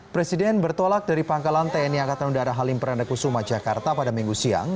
presiden bertolak dari pangkalan tni angkatan undara halim perendeku sumat jakarta pada minggu siang